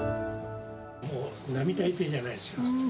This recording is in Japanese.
もう並大抵じゃないですよ。